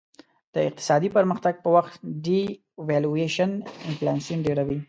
د اقتصادي پرمختګ په وخت devaluation انفلاسیون ډېروي.